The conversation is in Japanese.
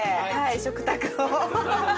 食卓を。